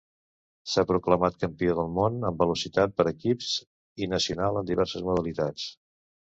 S'ha proclamat Campió del món en Velocitat per equips, i nacional en diverses modalitats.